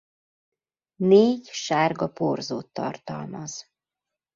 Négy sárga porzót tartalmaz.